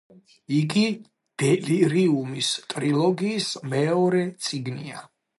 იგი დელირიუმის ტრილოგიის მეორე წიგნია.